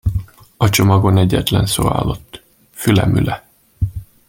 A csomagon egyetlen szó állott: Fülemüle.